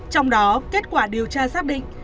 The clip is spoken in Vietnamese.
trong đó kết quả điều tra xác định